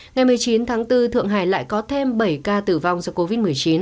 ngày một mươi chín tháng bốn thượng hải lại có thêm bảy ca tử vong do covid một mươi chín